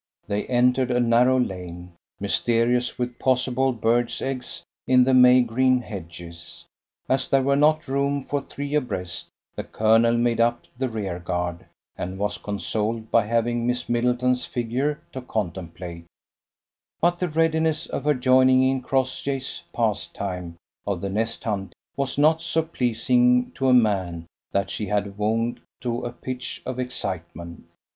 They entered a narrow lane, mysterious with possible birds' eggs in the May green hedges. As there was not room for three abreast, the colonel made up the rear guard, and was consoled by having Miss Middleton's figure to contemplate; but the readiness of her joining in Crossjay's pastime of the nest hunt was not so pleasing to a man that she had wound to a pitch of excitement.